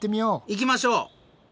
行きましょう！